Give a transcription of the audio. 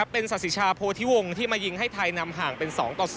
เป็นศาสิชาโพธิวงศ์ที่มายิงให้ไทยนำห่างเป็น๒ต่อ๐